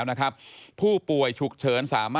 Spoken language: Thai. พบหน้าลูกแบบเป็นร่างไร้วิญญาณ